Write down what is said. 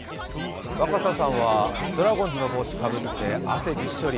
若狭さんはドラゴンズの帽子をかぶって汗びっしょり、